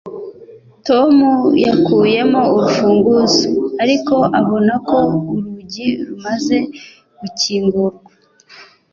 tom yakuyemo urufunguzo, ariko abona ko urugi rumaze gukingurwa